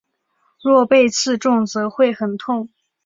若被刺中则会很痛。